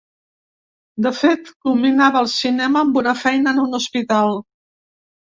De fet, combinava el cinema amb una feina en un hospital.